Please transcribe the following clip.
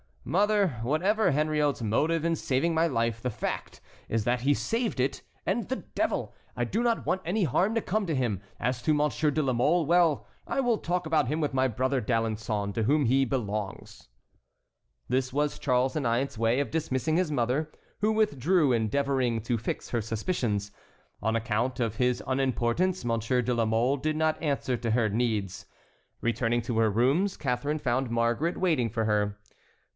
"Mother, whatever Henriot's motive in saving my life, the fact is that he saved it, and, the devil! I do not want any harm to come to him. As to Monsieur de la Mole, well, I will talk about him with my brother D'Alençon, to whom he belongs." This was Charles IX.'s way of dismissing his mother, who withdrew endeavoring to fix her suspicions. On account of his unimportance, Monsieur de la Mole did not answer to her needs. Returning to her rooms, Catharine found Marguerite waiting for her.